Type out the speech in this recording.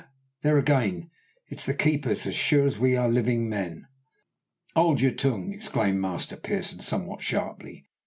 there again! It's the keepers as sure as we are living men!" "Hold your tongue!" exclaimed Master Pearson somewhat sharply.